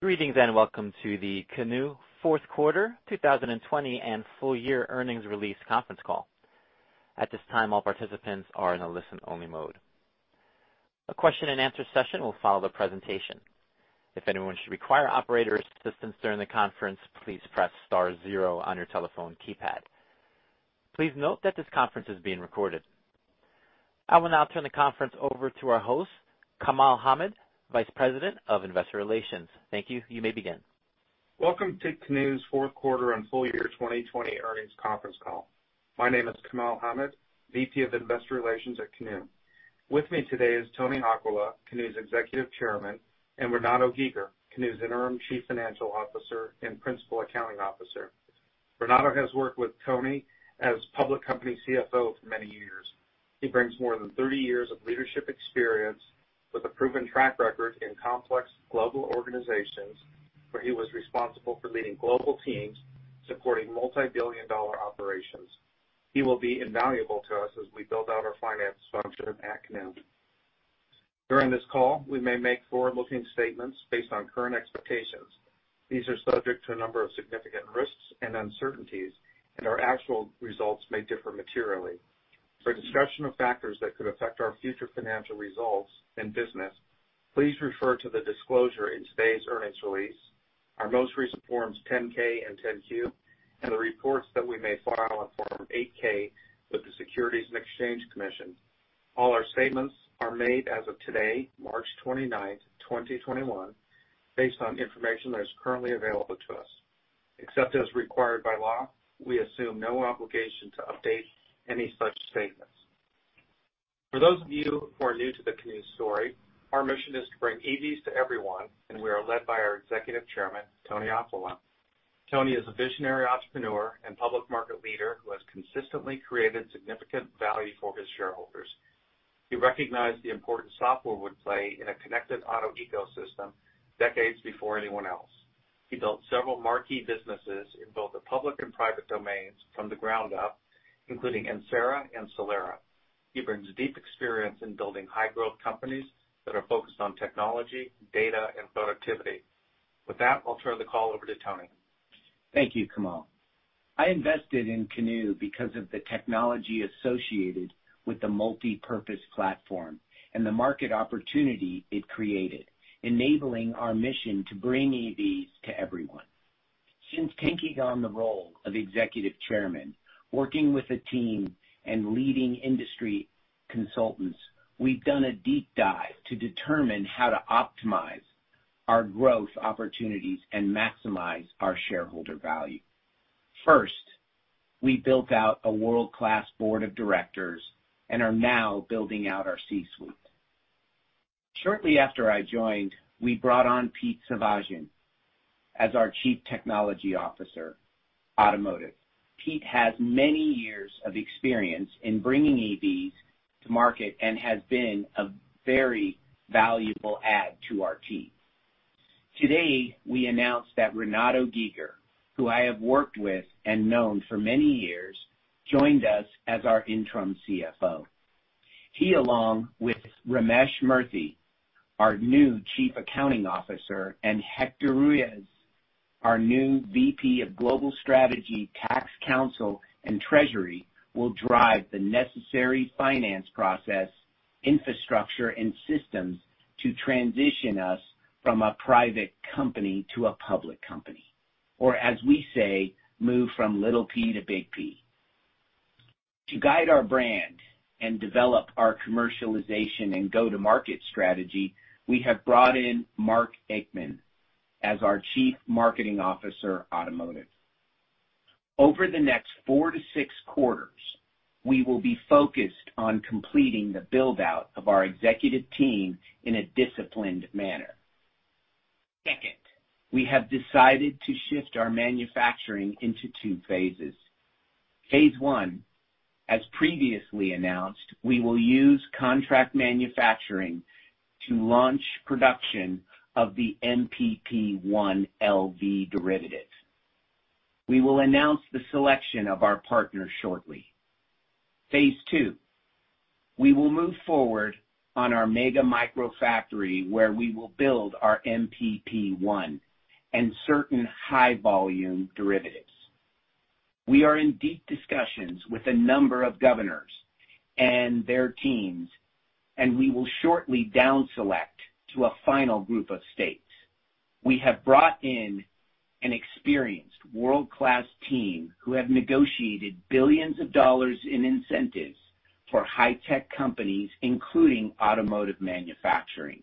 I will now turn the conference over to our host, Kamal Hamid, Vice President of Investor Relations. Thank you. You may begin. Welcome to Canoo's fourth quarter and full year 2020 earnings conference call. My name is Kamal Hamid, VP of Investor Relations at Canoo. With me today is Tony Aquila, Canoo's Executive Chairman, and Renato Giger, Canoo's Interim Chief Financial Officer and Principal Accounting Officer. Renato has worked with Tony as public company CFO for many years. He brings more than 30 years of leadership experience with a proven track record in complex global organizations where he was responsible for leading global teams supporting multi-billion-dollar operations. He will be invaluable to us as we build out our finance function at Canoo. During this call, we may make forward-looking statements based on current expectations. These are subject to a number of significant risks and uncertainties, and our actual results may differ materially. For a discussion of factors that could affect our future financial results and business, please refer to the disclosure in today's earnings release, our most recent forms 10-K and 10-Q, and the reports that we may file on form 8-K with the Securities and Exchange Commission. All our statements are made as of today, March 29th, 2021, based on information that is currently available to us. Except as required by law, we assume no obligation to update any such statements. For those of you who are new to the Canoo story, our mission is to bring EVs to everyone, and we are led by our Executive Chairman, Tony Aquila. Tony is a visionary entrepreneur and public market leader who has consistently created significant value for his shareholders. He recognized the important software would play in a connected auto ecosystem decades before anyone else. He built several marquee businesses in both the public and private domains from the ground up, including Ensera and Solera. He brings deep experience in building high-growth companies that are focused on technology, data, and productivity. With that, I'll turn the call over to Tony. Thank you, Kamal. I invested in Canoo because of the technology associated with the Multi-Purpose Platform and the market opportunity it created, enabling our mission to bring EVs to everyone. Since taking on the role of Executive Chairman, working with a team and leading industry consultants, we've done a deep dive to determine how to optimize our growth opportunities and maximize our shareholder value. First, we built out a world-class board of directors and are now building out our C-suite. Shortly after I joined, we brought on Peter Savagian as our Chief Technology Officer, Automotive. Peter has many years of experience in bringing EVs to market and has been a very valuable add to our team. Today, we announced that Renato Giger, who I have worked with and known for many years, joined us as our interim CFO. He, along with Ramesh Murthy, our new chief accounting officer, and Hector Ruiz, our new VP of Global Strategy, Tax Counsel, and Treasury, will drive the necessary finance process, infrastructure, and systems to transition us from a private company to a public company. As we say, move from little P to big P. To guide our brand and develop our commercialization and go-to-market strategy, we have brought in Mark Aikman as our Chief Marketing Officer, Automotive. Over the next four to six quarters, we will be focused on completing the build-out of our executive team in a disciplined manner. Second, we have decided to shift our manufacturing into two phases. Phase one, as previously announced, we will use contract manufacturing to launch production of the MPP1 LV derivative. We will announce the selection of our partner shortly. Phase one, we will move forward on our mega microfactory, where we will build our MPP1 and certain high-volume derivatives. We are in deep discussions with a number of governors and their teams, we will shortly down select to a final group of states. We have brought in an experienced world-class team who have negotiated billions of dollars in incentives for high-tech companies, including automotive manufacturing.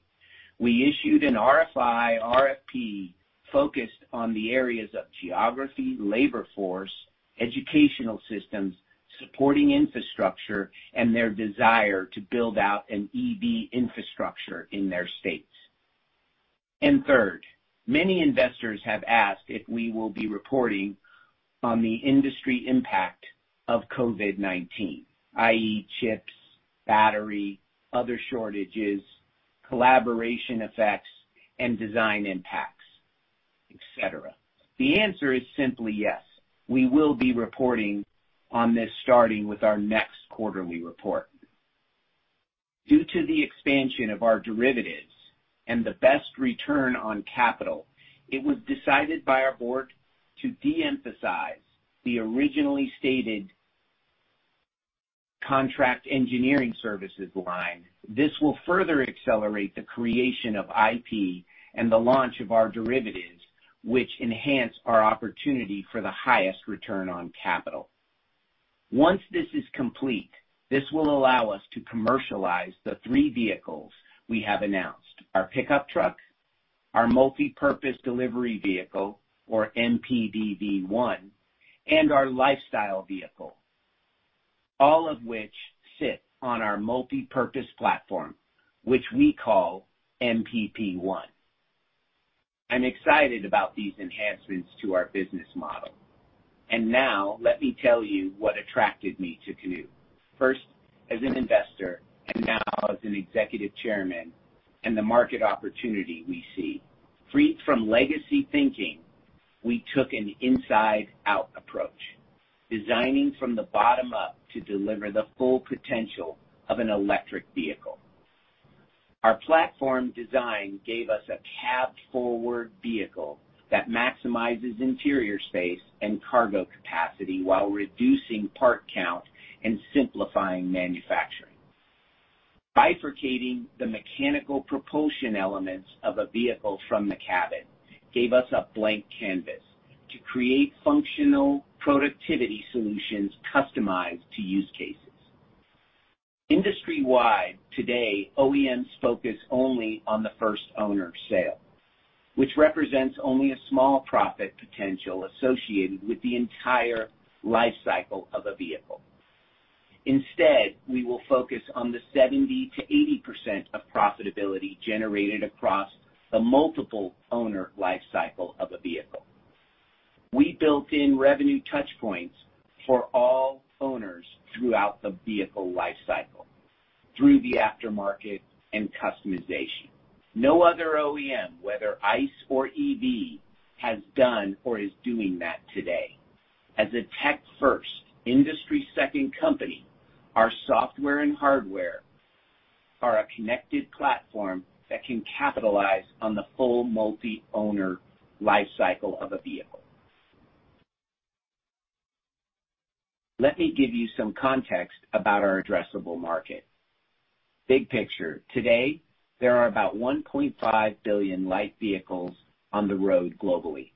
We issued an RFI, RFP focused on the areas of geography, labor force, educational systems, supporting infrastructure, and their desire to build out an EV infrastructure in their states. Third, many investors have asked if we will be reporting on the industry impact of COVID-19, i.e., chips, battery, other shortages, collaboration effects, and design impacts. Et cetera. The answer is simply yes. We will be reporting on this starting with our next quarterly report. Due to the expansion of our derivatives and the best return on capital, it was decided by our board to de-emphasize the originally stated contract engineering services line. This will further accelerate the creation of IP and the launch of our derivatives, which enhance our opportunity for the highest return on capital. Once this is complete, this will allow us to commercialize the three vehicles we have announced, our pickup truck, our Multi-Purpose Delivery Vehicle, or MPDV1, and our Lifestyle Vehicle, all of which sit on our Multi-Purpose Platform, which we call MPP1. I'm excited about these enhancements to our business model. Now let me tell you what attracted me to Canoo, first as an investor and now as an Executive Chairman, and the market opportunity we see. Freed from legacy thinking, we took an inside-out approach, designing from the bottom up to deliver the full potential of an electric vehicle. Our platform design gave us a cab-forward vehicle that maximizes interior space and cargo capacity while reducing part count and simplifying manufacturing. Bifurcating the mechanical propulsion elements of a vehicle from the cabin gave us a blank canvas to create functional productivity solutions customized to use cases. Industry-wide today, OEMs focus only on the first owner sale, which represents only a small profit potential associated with the entire life cycle of a vehicle. Instead, we will focus on the 70%-80% of profitability generated across the multiple owner life cycle of a vehicle. We built in revenue touch points for all owners throughout the vehicle life cycle through the aftermarket and customization. No other OEM, whether ICE or EV, has done or is doing that today. As a tech-first, industry-second company, our software and hardware are a connected platform that can capitalize on the full multi-owner life cycle of a vehicle. Let me give you some context about our addressable market. Big picture, today there are about 1.5 billion light vehicles on the road globally.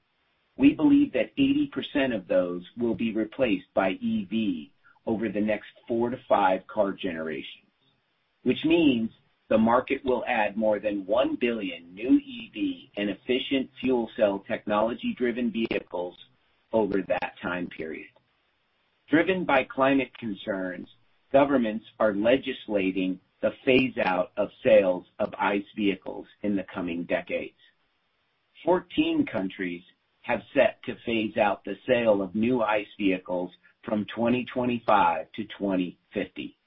We believe that 80% of those will be replaced by EV over the next four to five car generations, which means the market will add more than 1 billion new EV and efficient fuel cell technology-driven vehicles over that time period. Driven by climate concerns, governments are legislating the phase-out of sales of ICE vehicles in the coming decades. 14 countries have set to phase out the sale of new ICE vehicles from 2025 to 2050.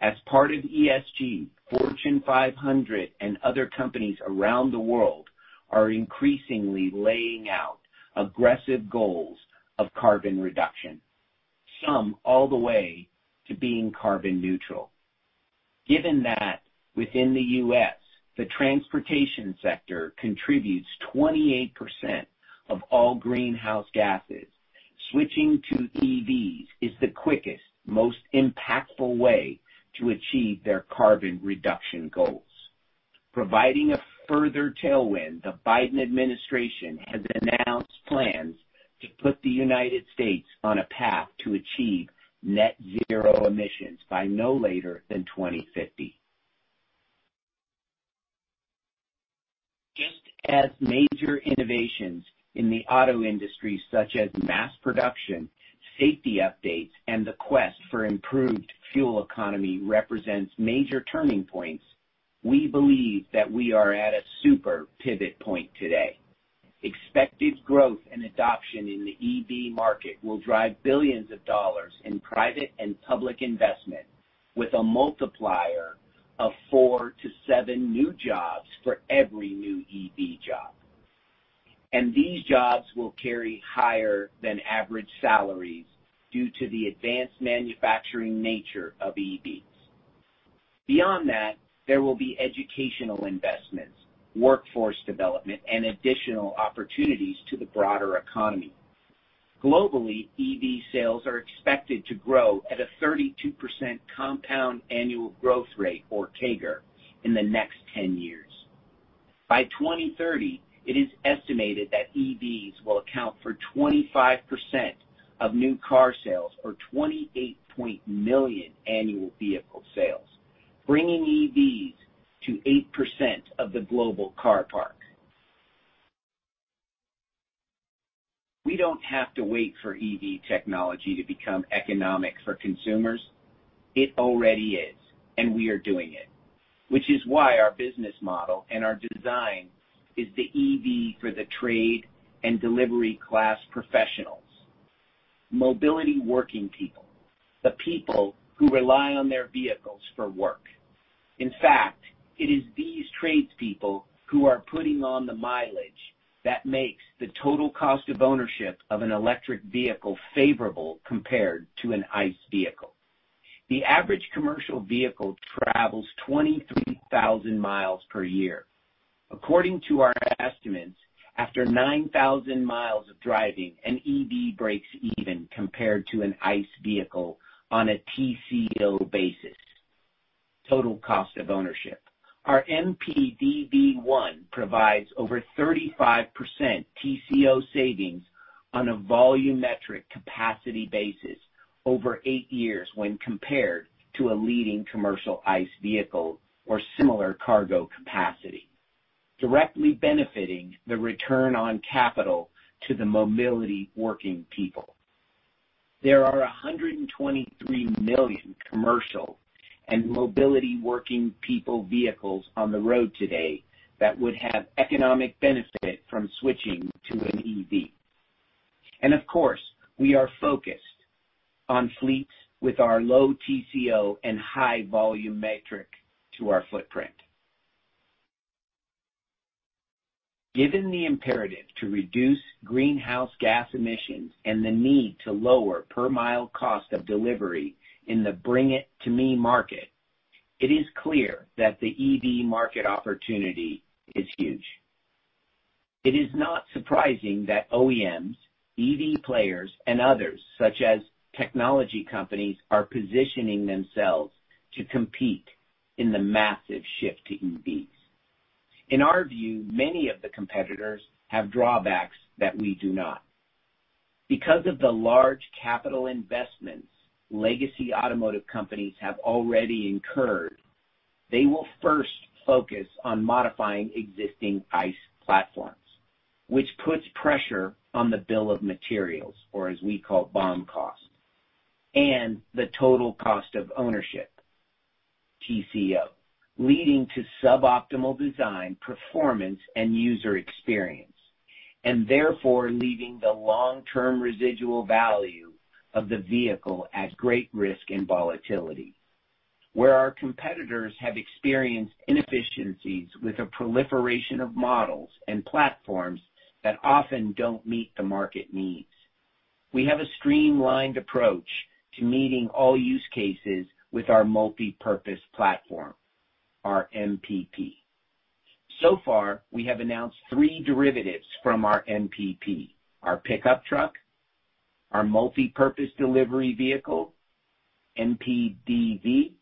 As part of ESG, Fortune 500 and other companies around the world are increasingly laying out aggressive goals of carbon reduction, some all the way to being carbon neutral. Given that within the U.S. the transportation sector contributes 28% of all greenhouse gases, switching to EVs is the quickest, most impactful way to achieve their carbon reduction goals. Providing a further tailwind, the Biden administration has announced plans to put the United States on a path to achieve net zero emissions by no later than 2050. Just as major innovations in the auto industry, such as mass production, safety updates, and the quest for improved fuel economy represents major turning points, we believe that we are at a super pivot point today. Expected growth and adoption in the EV market will drive billions of dollars in private and public investment with a multiplier of four to seven new jobs for every new EV job. These jobs will carry higher than average salaries due to the advanced manufacturing nature of EVs. Beyond that, there will be educational investments, workforce development, and additional opportunities to the broader economy. Globally, EV sales are expected to grow at a 32% compound annual growth rate, or CAGR, in the next 10 years. By 2030, it is estimated that EVs will account for 25% of new car sales or 28.8 million annual vehicle sales, bringing EVs to 8% of the global car park. We don't have to wait for EV technology to become economic for consumers. It already is, and we are doing it, which is why our business model and our design is the EV for the trade and delivery class professionals. Mobility working people, the people who rely on their vehicles for work. In fact, it is these tradespeople who are putting on the mileage that makes the total cost of ownership of an electric vehicle favorable compared to an ICE vehicle. The average commercial vehicle travels 23,000 mi per year. According to our estimates, after 9,000 mi of driving, an EV breaks even compared to an ICE vehicle on a TCO basis, total cost of ownership. Our MPDV1 provides over 35% TCO savings on a volumetric capacity basis over eight years when compared to a leading commercial ICE vehicle or similar cargo capacity, directly benefiting the return on capital to the mobility working people. There are 123 million commercial and mobility working people vehicles on the road today that would have economic benefit from switching to an EV. Of course, we are focused on fleets with our low TCO and high volume metric to our footprint. Given the imperative to reduce greenhouse gas emissions and the need to lower per mile cost of delivery in the bring it to me market, it is clear that the EV market opportunity is huge. It is not surprising that OEMs, EV players, and others, such as technology companies, are positioning themselves to compete in the massive shift to EVs. In our view, many of the competitors have drawbacks that we do not. Because of the large capital investments legacy automotive companies have already incurred, they will first focus on modifying existing ICE platforms, which puts pressure on the bill of materials, or as we call it, BOM cost, and the total cost of ownership, TCO, leading to suboptimal design, performance, and user experience, and therefore leaving the long-term residual value of the vehicle at great risk and volatility. Where our competitors have experienced inefficiencies with a proliferation of models and platforms that often don't meet the market needs, we have a streamlined approach to meeting all use cases with our Multi-Purpose Platform, our MPP. So far, we have announced three derivatives from our MPP, our pickup truck, our Multi-Purpose Delivery Vehicle, MPDV,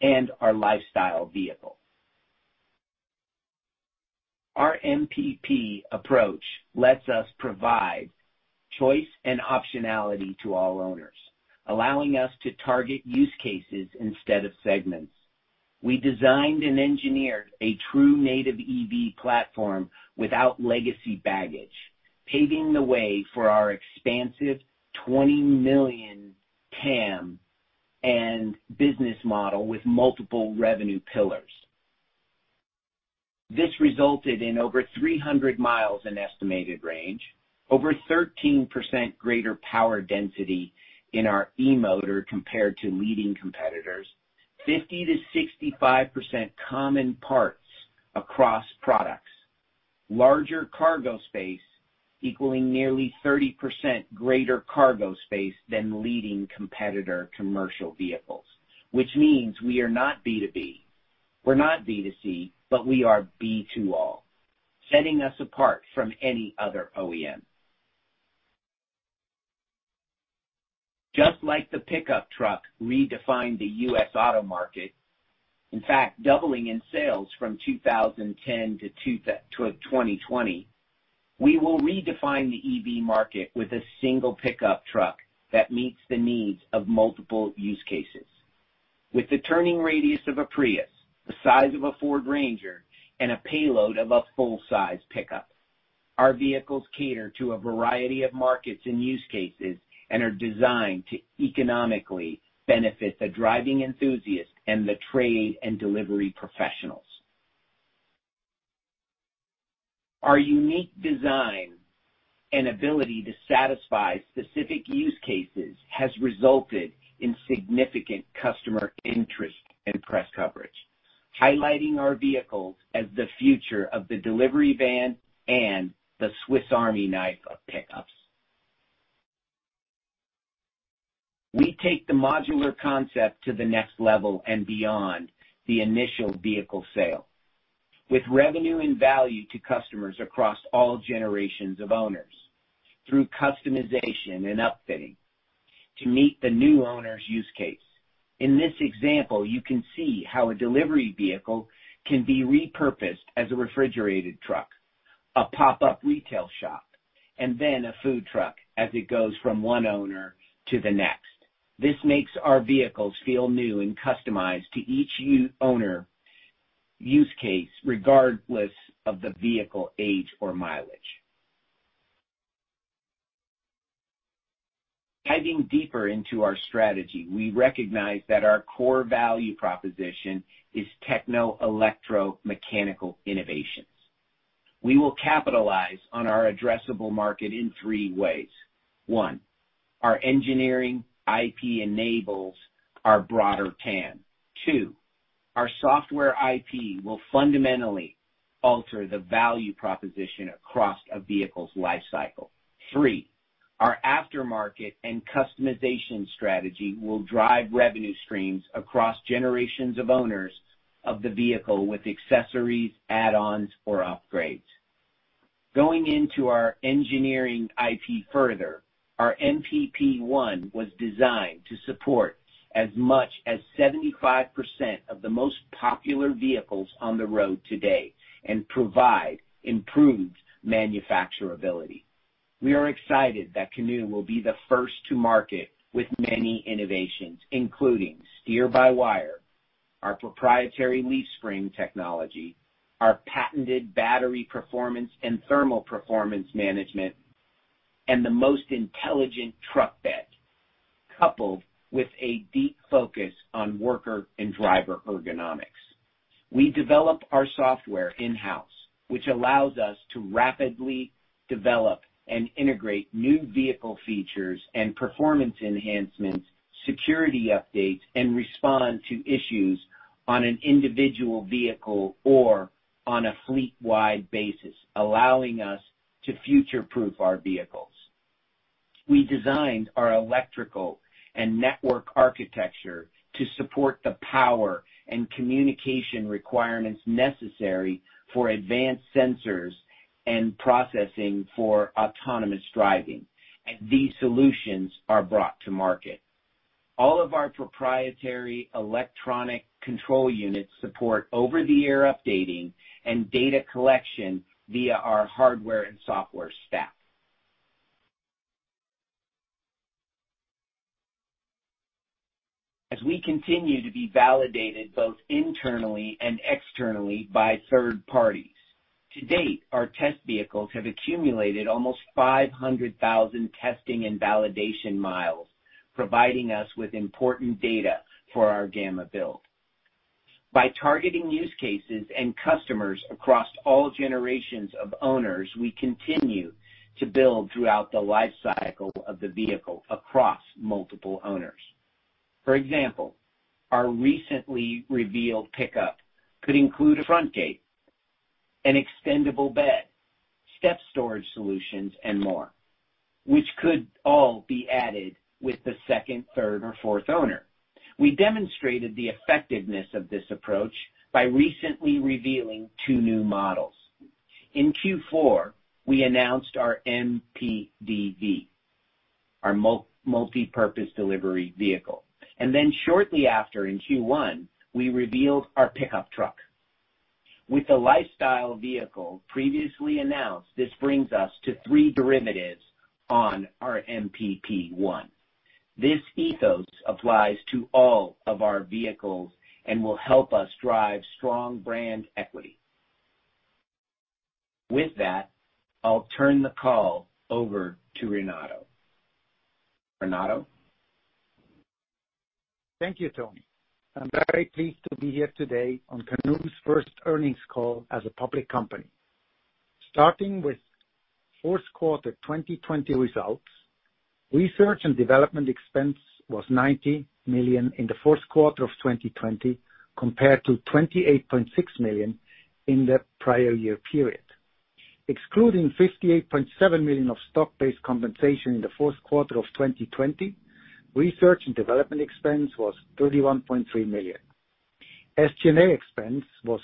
and our Lifestyle Vehicle. Our MPP approach lets us provide choice and optionality to all owners, allowing us to target use cases instead of segments. We designed and engineered a true native EV platform without legacy baggage, paving the way for our expansive $20 million TAM and business model with multiple revenue pillars. This resulted in over 300 mi in estimated range, over 13% greater power density in our E-motor compared to leading competitors, 50%-65% common parts across products, larger cargo space equaling nearly 30% greater cargo space than leading competitor commercial vehicles. Means we are not B2B, we're not B2C, but we are B2all, setting us apart from any other OEM. Just like the pickup truck redefined the U.S. auto market, in fact, doubling in sales from 2010 to 2020, we will redefine the EV market with a single pickup truck that meets the needs of multiple use cases. With the turning radius of a Prius, the size of a Ford Ranger, and a payload of a full-size pickup, our vehicles cater to a variety of markets and use cases and are designed to economically benefit the driving enthusiast and the trade and delivery professionals. Our unique design and ability to satisfy specific use cases has resulted in significant customer interest and press coverage, highlighting our vehicles as the future of the delivery van and the Swiss Army knife of pickups. We take the modular concept to the next level and beyond the initial vehicle sale. With revenue and value to customers across all generations of owners through customization and upfitting to meet the new owner's use case. In this example, you can see how a delivery vehicle can be repurposed as a refrigerated truck, a pop-up retail shop, and then a food truck as it goes from one owner to the next. This makes our vehicles feel new and customized to each owner use case, regardless of the vehicle age or mileage. Diving deeper into our strategy, we recognize that our core value proposition is techno-electro-mechanical innovations. We will capitalize on our addressable market in three ways. One, our engineering IP enables our broader TAM. Two, our software IP will fundamentally alter the value proposition across a vehicle's life cycle. Three, our aftermarket and customization strategy will drive revenue streams across generations of owners of the vehicle with accessories, add-ons, or upgrades. Going into our engineering IP further, our MPP1 was designed to support as much as 75% of the most popular vehicles on the road today and provide improved manufacturability. We are excited that Canoo will be the first to market with many innovations, including steer-by-wire, our proprietary leaf spring technology, our patented battery performance and thermal performance management, and the most intelligent truck bed, coupled with a deep focus on worker and driver ergonomics. We develop our software in-house, which allows us to rapidly develop and integrate new vehicle features and performance enhancements, security updates, and respond to issues on an individual vehicle or on a fleet-wide basis, allowing us to future-proof our vehicles. We designed our electrical and network architecture to support the power and communication requirements necessary for advanced sensors and processing for autonomous driving as these solutions are brought to market. All of our proprietary electronic control units support over-the-air updating and data collection via our hardware and software stack. As we continue to be validated both internally and externally by third parties, to date, our test vehicles have accumulated almost 500,000 testing and validation miles, providing us with important data for our gamma build. By targeting use cases and customers across all generations of owners, we continue to build throughout the life cycle of the vehicle across multiple owners. For example, our recently revealed pickup could include a front gate, an extendable bed, step storage solutions, and more, which could all be added with the second, third, or fourth owner. We demonstrated the effectiveness of this approach by recently revealing two new models. In Q4, we announced our MPDV, our Multi-Purpose Delivery Vehicle, shortly after in Q1, we revealed our pickup truck. With the Lifestyle Vehicle previously announced, this brings us to three derivatives on our MPP1. This ethos applies to all of our vehicles and will help us drive strong brand equity. With that, I'll turn the call over to Renato. Renato? Thank you, Tony. I'm very pleased to be here today on Canoo's first earnings call as a public company. Starting with fourth quarter 2020 results, research and development expense was $90 million in the fourth quarter of 2020 compared to $28.6 million in the prior year period. Excluding $58.7 million of stock-based compensation in the fourth quarter of 2020, research and development expense was $31.3 million. SG&A expense was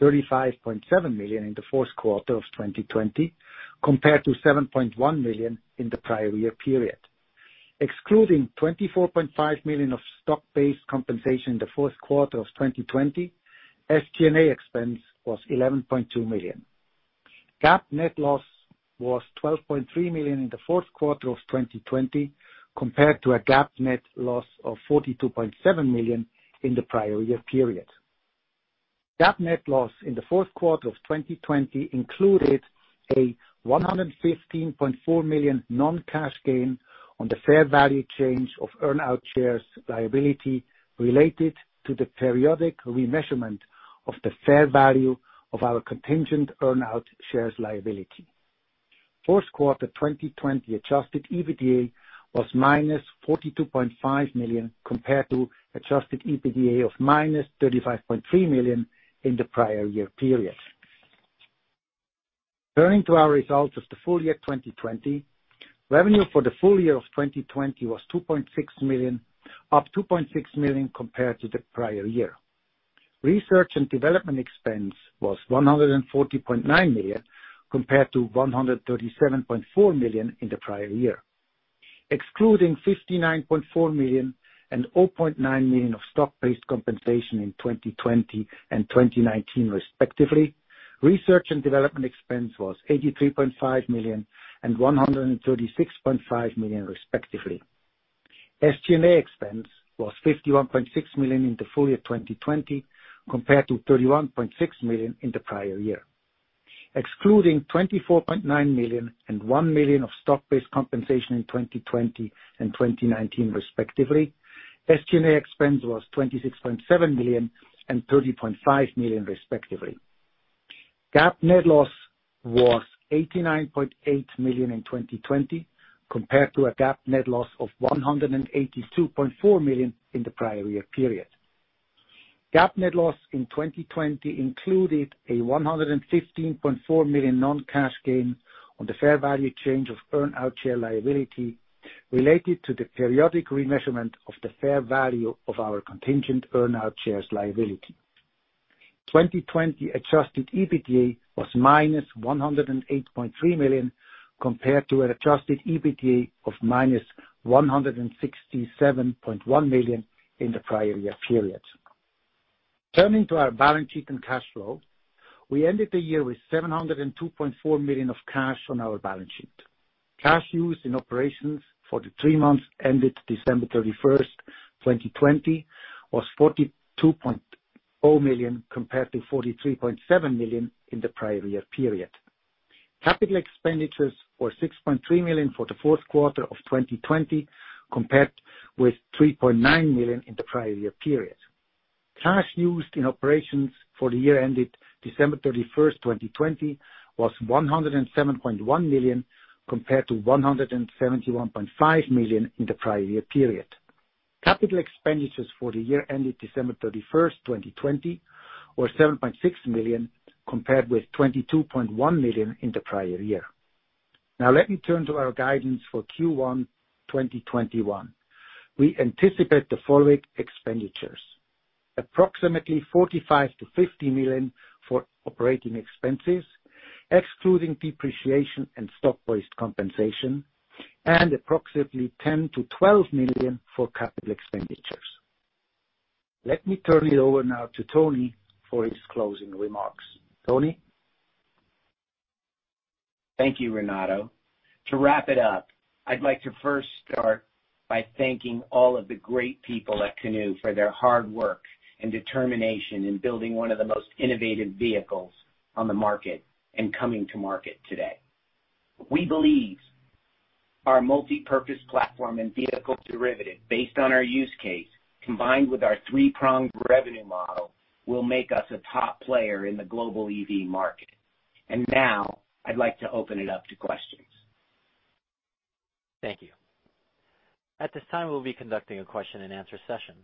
$35.7 million in the fourth quarter of 2020 compared to $7.1 million in the prior year period. Excluding $24.5 million of stock-based compensation in the fourth quarter of 2020, SG&A expense was $11.2 million. GAAP net loss was $12.3 million in the fourth quarter of 2020 compared to a GAAP net loss of $42.7 million in the prior year period. GAAP net loss in the fourth quarter of 2020 included a $115.4 million non-cash gain on the fair value change of earn out shares liability related to the periodic remeasurement of the fair value of our contingent earn out shares liability. Fourth quarter 2020 adjusted EBITDA was -$42.5 million compared to adjusted EBITDA of -$35.3 million in the prior year period. Turning to our results of the full year 2020, revenue for the full year of 2020 was $2.6 million, up $2.6 million compared to the prior year. Research and development expense was $140.9 million compared to $137.4 million in the prior year. Excluding $59.4 million and $0.9 million of stock-based compensation in 2020 and 2019 respectively, research and development expense was $83.5 million and $136.5 million respectively. SG&A expense was $51.6 million in the full year 2020 compared to $31.6 million in the prior year. Excluding $24.9 million and $1 million of stock-based compensation in 2020 and 2019 respectively, SG&A expense was $26.7 million and $30.5 million respectively. GAAP net loss was $89.8 million in 2020 compared to a GAAP net loss of $182.4 million in the prior year period. GAAP net loss in 2020 included a $115.4 million non-cash gain on the fair value change of earn-out share liability related to the periodic remeasurement of the fair value of our contingent earn-out shares liability. 2020 adjusted EBITDA was minus $108.3 million compared to an adjusted EBITDA of minus $167.1 million in the prior year period. Turning to our balance sheet and cash flow, we ended the year with $702.4 million of cash on our balance sheet. Cash used in operations for the three months ended December 31st, 2020 was $42.0 million compared to $43.7 million in the prior year period. Capital expenditures were $6.3 million for the fourth quarter of 2020 compared with $3.9 million in the prior year period. Cash used in operations for the year ended December 31st, 2020 was $107.1 million compared to $171.5 million in the prior year period. Capital expenditures for the year ended December 31st, 2020 were $7.6 million compared with $22.1 million in the prior year. Now let me turn to our guidance for Q1 2021. We anticipate the following expenditures: approximately $45 million-$50 million for operating expenses, excluding depreciation and stock-based compensation, and approximately $10 million-$12 million for capital expenditures. Let me turn it over now to Tony for his closing remarks. Tony? Thank you, Renato. To wrap it up, I'd like to first start by thanking all of the great people at Canoo for their hard work and determination in building one of the most innovative vehicles on the market and coming to market today. We believe our Multi-Purpose Platform and vehicle derivative based on our use case, combined with our three-pronged revenue model, will make us a top player in the global EV market. Now I'd like to open it up to questions. Thank you. At this time, we'll be conducting a question-and-answer session.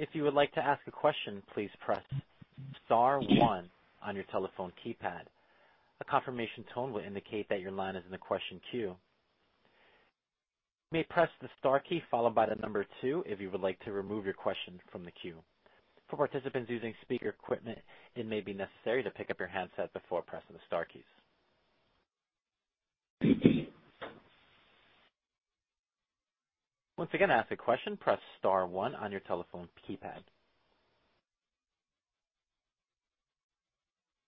If you would like to ask a question, please press star one on your telephone keypad. A confirmation tone will indicate that your line is in the question queue. You may press the star key followed by the number two if you would like to remove your question from the queue. For participants using speaker equipment, it may be necessary to pick up your handset before pressing the star keys. Once again, to ask a question, press star one on your telephone keypad.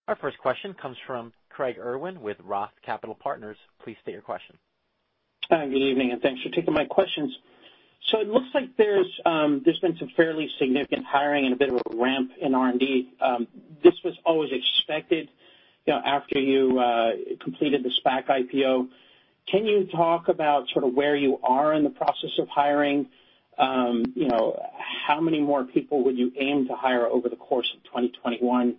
Our first question comes from Craig Irwin with Roth Capital Partners. Please state your question. Good evening, thanks for taking my questions. It looks like there's been some fairly significant hiring and a bit of a ramp in R&D. This was always expected, you know, after you completed the SPAC IPO. Can you talk about sort of where you are in the process of hiring? You know, how many more people would you aim to hire over the course of 2021?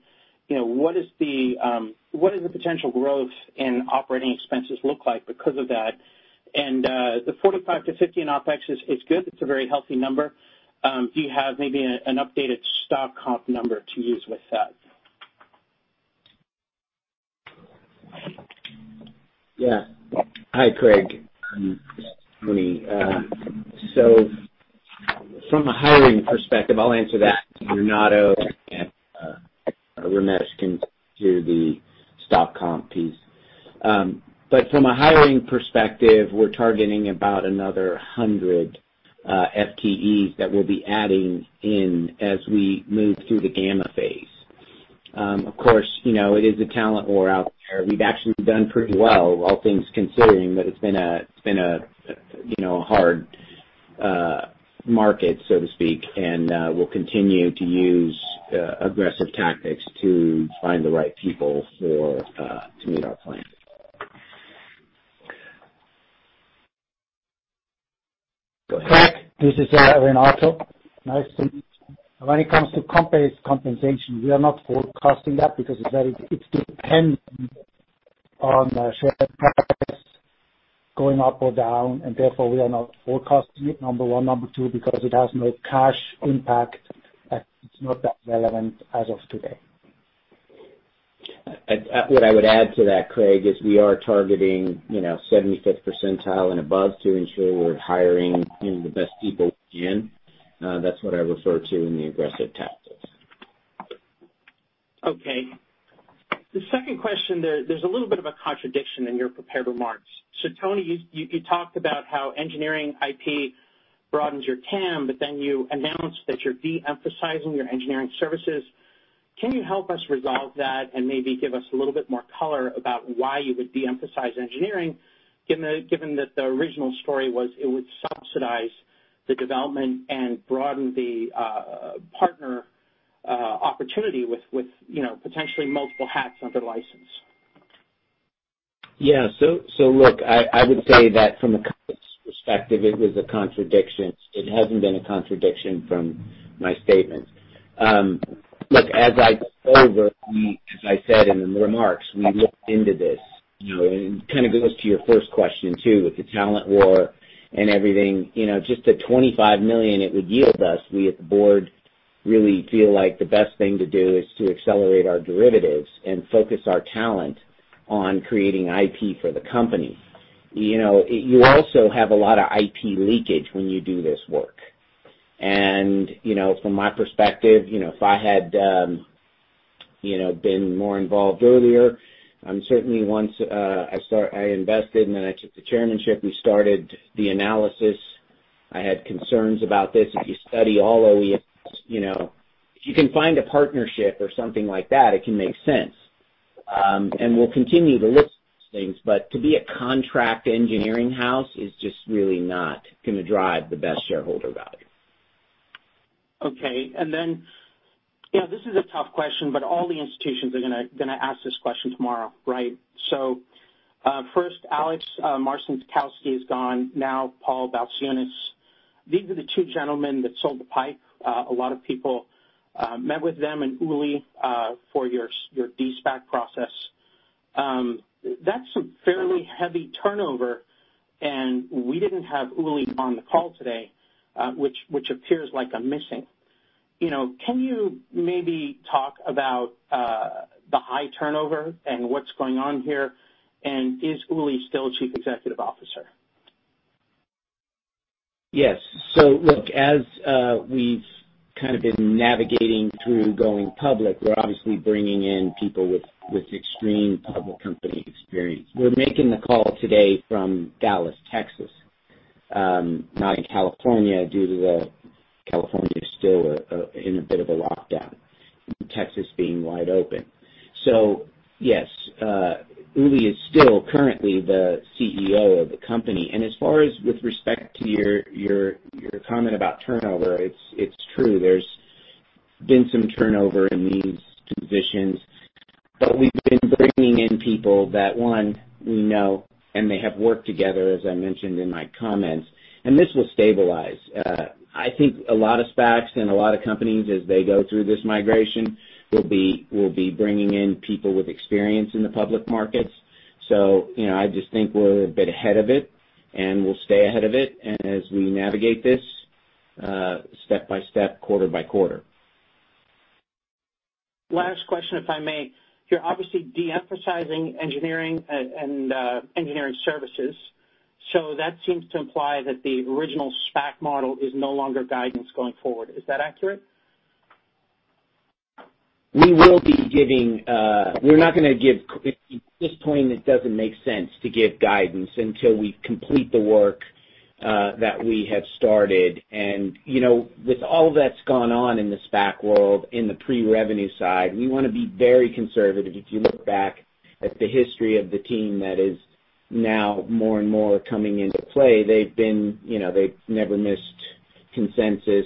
You know, what does the potential growth in operating expenses look like because of that? The 45-50 in OpEx is good. It's a very healthy number. Do you have maybe an updated stock comp number to use with that? Yeah. Hi, Craig. This is Tony. From a hiring perspective, I'll answer that. Renato and Ramesh can do the stock comp piece. From a hiring perspective, we're targeting about another 100 FTEs that we'll be adding in as we move through the gamma phase. Of course, you know, it is a talent war out there. We've actually done pretty well, all things considering that it's been a, you know, a hard market, so to speak. We'll continue to use aggressive tactics to find the right people for to meet our plan. Go ahead. Craig, this is Renato. Nice to meet you. When it comes to comp-based compensation, we are not forecasting that because it depends on the share price going up or down, therefore we are not forecasting it, number one. Number two, because it has no cash impact, it's not that relevant as of today. What I would add to that, Craig, is we are targeting, you know, 75th percentile and above to ensure we're hiring, you know, the best people we can. That's what I refer to in the aggressive tactics. Okay. The second question, there's a little bit of a contradiction in your prepared remarks. Tony, you talked about how engineering IP broadens your TAM, you announced that you're de-emphasizing your engineering services. Can you help us resolve that and maybe give us a little bit more color about why you would de-emphasize engineering given that the original story was it would subsidize the development and broaden the partner opportunity with, you know, potentially multiple hats under license? Yeah. look, I would say that from a company's perspective, it was a contradiction. It hasn't been a contradiction from my statement. But as I said in the remarks, we looked into this, kind of goes to your first question too, it's a talent war and everything. You know, just the $25 million it would give us, we at the board really feel like the best thing to do is to accelerate our derivatives and focus our talent on creating IP for the company. You know, you also have a lot of IP leakage when you do this work. You know, from my perspective, you know, if I had, you know, been more involved earlier, certainly once I started, I invested and I took the chairmanship, we started the analysis. I had concerns about this. If you study all the, you know, you can find a partnership or something like that. It can make sense. And we'll continue to list things, but to be a contract engineering house is just really not gonna drive the best shareholder value. You know, this is a tough question, but all the institutions are gonna ask this question tomorrow, right? First Alex Marcinkowski is gone, now Paul Balciunas. These are the two gentlemen that sold the PIPE. A lot of people met with them and Uli for your de-SPAC process. That's some fairly heavy turnover, and we didn't have Uli on the call today, which appears like a missing. You know, can you maybe talk about the high turnover and what's going on here? Is Ulrich still Chief Executive Officer? Yes. Look, as we've kind of been navigating through going public, we're obviously bringing in people with extreme public company experience. We're making the call today from Dallas, Texas, not in California due to the California is still a in a bit of a lockdown, Texas being wide open. Yes, Ulrich is still currently the CEO of the company. As far as with respect to your comment about turnover, it's true. There's been some turnover in these positions, but we've been bringing in people that one, we know and they have worked together, as I mentioned in my comments, and this will stabilize. I think a lot of SPACs and a lot of companies as they go through this migration will be bringing in people with experience in the public markets. You know, I just think we're a bit ahead of it, and we'll stay ahead of it and as we navigate this, step by step, quarter by quarter. Last question, if I may. You're obviously de-emphasizing engineering and engineering services. That seems to imply that the original SPAC model is no longer guidance going forward. Is that accurate? We're not going to give at this point it doesn't make sense to give guidance until we complete the work that we have started. You know, with all that's gone on in the SPAC world, in the pre-revenue side, we want to be very conservative. If you look back at the history of the team that is now more and more coming into play, you know, they've never missed consensus.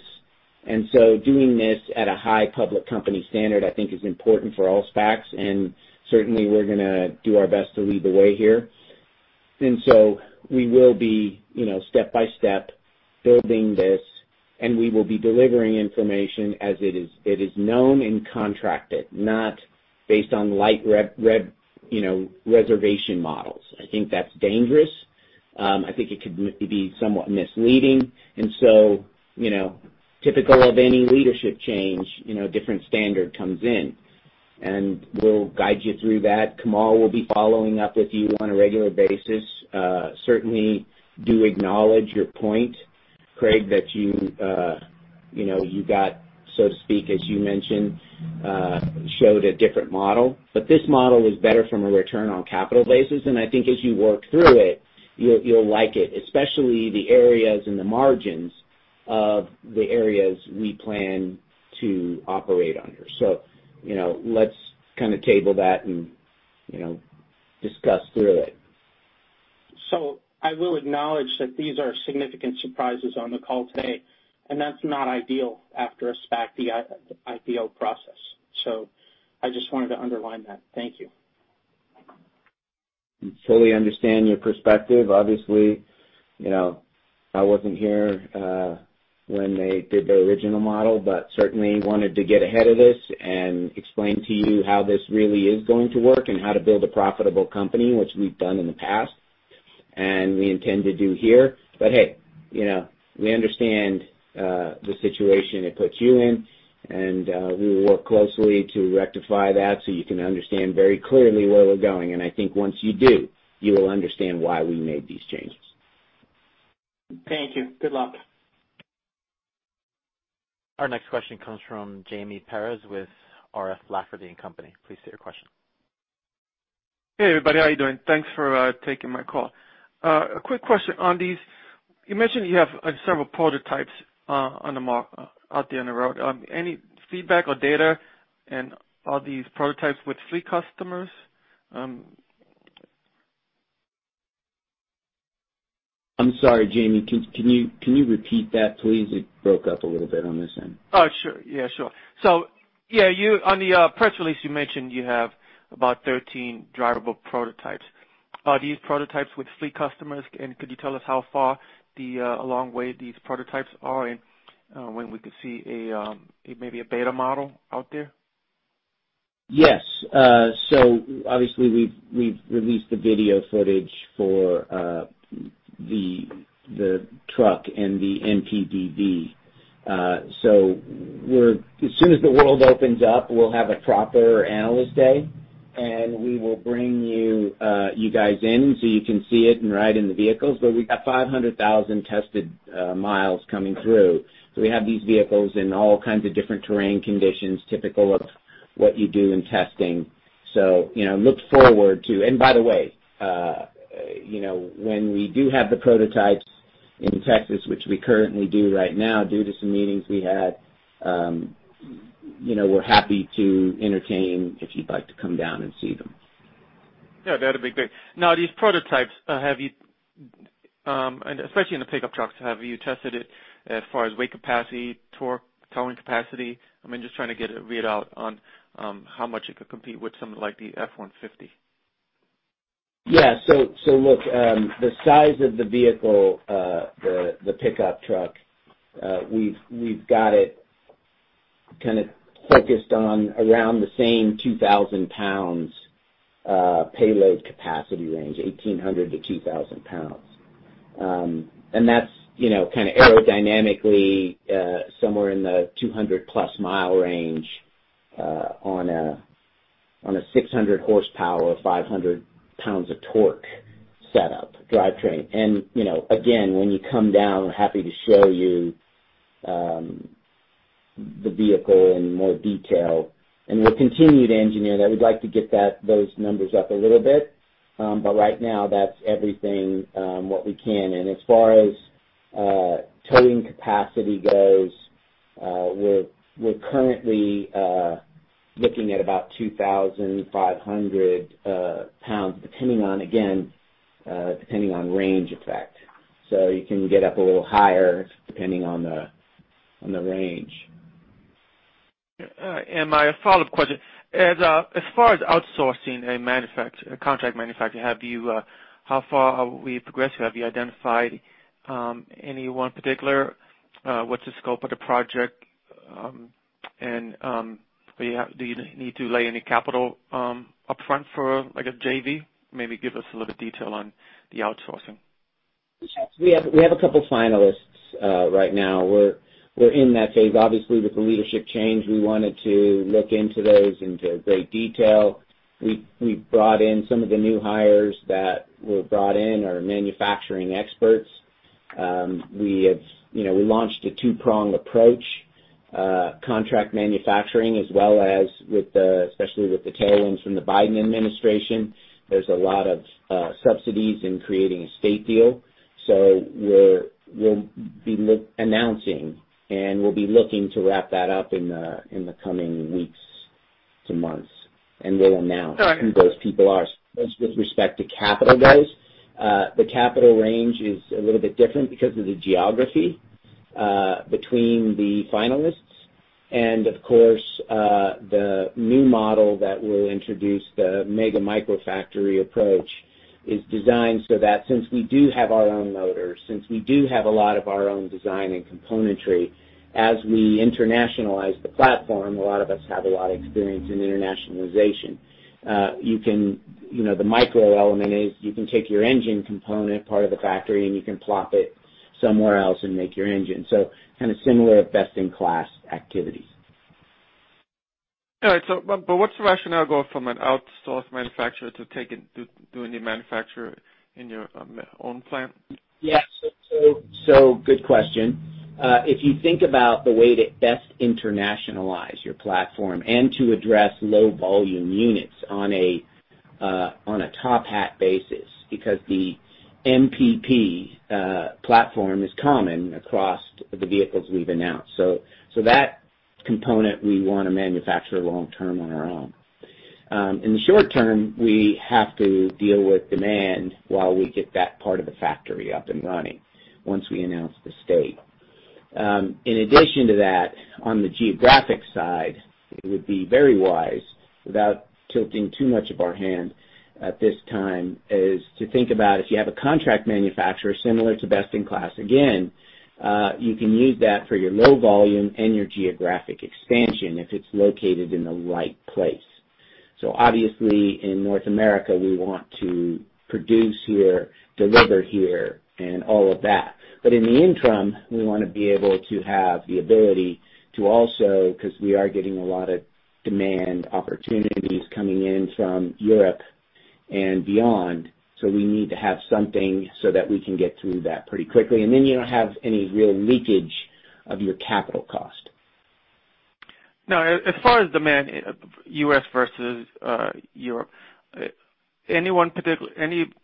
Doing this at a high public company standard, I think is important for all SPACs. Certainly, we're going to do our best to lead the way here. We will be, you know, step-by-step building this, and we will be delivering information as it is, it is known and contracted, not based on light rev, you know, reservation models. I think that's dangerous. I think it could be somewhat misleading. You know, typical of any leadership change, you know, different standard comes in, and we'll guide you through that. Kamal will be following up with you on a regular basis. Certainly do acknowledge your point, Craig, that you know, you got, so to speak, as you mentioned, showed a different model. This model is better from a return on capital basis, and I think as you work through it, you'll like it, especially the areas and the margins of the areas we plan to operate under. You know, let's kinda table that and, you know, discuss through it. I will acknowledge that these are significant surprises on the call today, and that's not ideal after a SPAC de-IPO process. I just wanted to underline that. Thank you. I fully understand your perspective. Obviously, you know, I wasn't here when they did the original model, certainly wanted to get ahead of this and explain to you how this really is going to work and how to build a profitable company, which we've done in the past and we intend to do here. Hey, you know, we understand the situation it puts you in and we will work closely to rectify that so you can understand very clearly where we're going. I think once you do, you will understand why we made these changes. Thank you. Good luck. Our next question comes from Jaime Perez with R.F. Lafferty & Co. Please state your question. Hey, everybody. How are you doing? Thanks for taking my call. A quick question on these. You mentioned you have several prototypes out there on the road. Any feedback or data and are these prototypes with fleet customers? I'm sorry, Jaime, can you repeat that, please? It broke up a little bit on this end. Oh, sure. Yeah, sure. Yeah, on the press release, you mentioned you have about 13 drivable prototypes. Are these prototypes with fleet customers? Could you tell us how far the along way these prototypes are and when we could see a maybe a beta model out there? Yes. Obviously we've released the video footage for the truck and the MPDV. As soon as the world opens up, we'll have a proper analyst day, and we will bring you guys in so you can see it and ride in the vehicles. But we've got 500,000 tested miles coming through. We have these vehicles in all kinds of different terrain conditions, typical of what you do in testing. You know, look forward to. By the way, you know, when we do have the prototypes in Texas, which we currently do right now due to some meetings we had, you know, we're happy to entertain if you'd like to come down and see them. Yeah, that'd be great. These prototypes, have you, and especially in the pickup trucks, have you tested it as far as weight capacity, torque, towing capacity? I mean, just trying to get a read out on how much it could compete with something like the F-150. Yeah. Look, the size of the vehicle, the pickup truck, we've got it kind of focused on around the same 2,000 lbs payload capacity range, 1,800 to 2,000 lbs. That's, you know, kind of aerodynamically, somewhere in the 200+ mi range, on a 600 hp, 500 lbs of torque setup drivetrain. You know, again, when you come down, happy to show you the vehicle in more detail, and we'll continue to engineer that. We'd like to get those numbers up a little bit. Right now that's everything, what we can. As far as towing capacity goes, we're currently looking at about 2,500 lbs, depending on, again, depending on range effect. You can get up a little higher depending on the, on the range. My follow-up question. As far as outsourcing a contract manufacturer, have you, how far have we progressed? Have you identified any one particular, what's the scope of the project? Do you need to lay any capital upfront for like a JV? Maybe give us a little detail on the outsourcing. We have a couple finalists right now. We're in that phase. Obviously, with the leadership change, we wanted to look into those into great detail. We brought in some of the new hires that were brought in are manufacturing experts. We have, you know, we launched a two-prong approach, contract manufacturing as well as with the, especially with the tailwinds from the Biden administration, there's a lot of subsidies in creating a state deal. We'll be announcing, and we'll be looking to wrap that up in the coming weeks to months, and we'll announce. All right. who those people are. With respect to capital raise, the capital raise is a little bit different because of the geography between the finalists. Of course, the new model that we'll introduce, the mega microfactory approach, is designed so that since we do have our own motors, since we do have a lot of our own design and componentry, as we internationalize the platform, a lot of us have a lot of experience in internationalization. You can, you know, the micro element is you can take your engine component part of the factory and you can plop it somewhere else and make your engine. Kind of similar best-in-class activities. All right. What's the rationale go from an outsourced manufacturer to take it, doing the manufacturer in your own plant? So, good question. If you think about the way to best internationalize your platform and to address low volume units on a, on a top hat basis, because the MPP platform is common across the vehicles we've announced. That component we wanna manufacture long term on our own. In the short term, we have to deal with demand while we get that part of the factory up and running once we announce the state. In addition to that, on the geographic side, it would be very wise, without tilting too much of our hand at this time, is to think about if you have a contract manufacturer similar to best in class, again, you can use that for your low volume and your geographic expansion if it's located in the right place. Obviously in North America, we want to produce here, deliver here and all of that. In the interim, we wanna be able to have the ability to also, 'cause we are getting a lot of demand opportunities coming in from Europe and beyond, so we need to have something so that we can get through that pretty quickly. You don't have any real leakage of your capital cost. Now, as far as demand, U.S. versus Europe, any